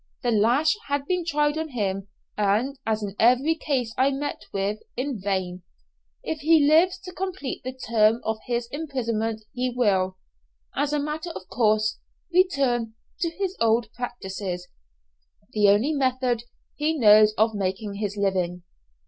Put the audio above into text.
The lash had been tried on him, and, as in every case I met with, in vain. If he lives to complete the term of his imprisonment he will, as a matter of course, return to his old practices, the only method he knows of making his living.